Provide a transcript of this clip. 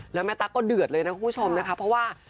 แล้วแม่ตั๊กก็เดือดเลยนะคุณผู้ชมนะคะเพราะว่า